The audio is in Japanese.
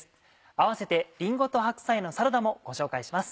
併せて「りんごと白菜のサラダ」もご紹介します。